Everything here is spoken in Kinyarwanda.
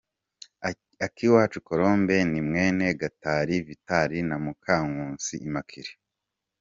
Akiwacu Colombe ni mwene Gatali Vital na Mukankusi Immaculée.